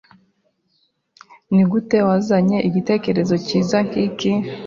Nigute wazanye igitekerezo cyiza nkiki?